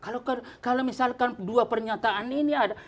kalau misalkan dua pernyataan ini ada